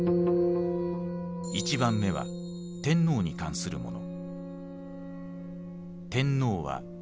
１番目は天皇に関するもの。